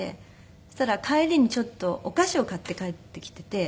そしたら帰りにちょっとお菓子を買って帰ってきていて。